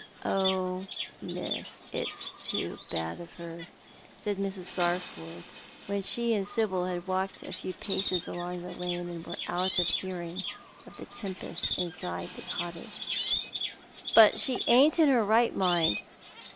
" Oh, Miss, it's too bad of lier," said Mrs. Garforth, when she and Sibyl had walked a few paces along the lane and were out of hearing of the tempest inside the cottage, " but she ain't in her right mind.